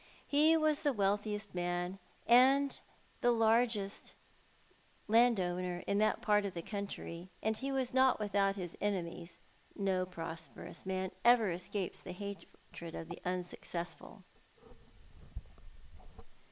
He was the wealthiest man and the largest landowner in that part of the county, and ho was not without his enemies— no prosperous man ever escapes the hatred of the unsuccessful.